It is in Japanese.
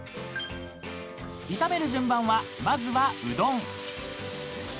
［炒める順番はまずはうどん］